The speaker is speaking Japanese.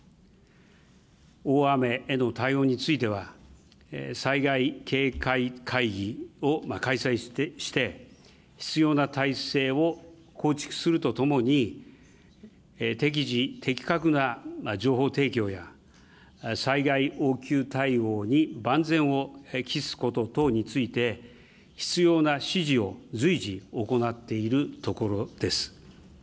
大雨への対応については、災害警戒会議を開催して、必要な態勢を構築するとともに、適時的確な情報提供や、災害応急対応に万全を期すこと等について、必要な指示を随時行っているところです。